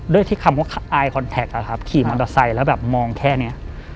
ด้วยที่คำว่าอะครับขี่มอเตอร์ไซค์แล้วแบบมองแค่เนี้ย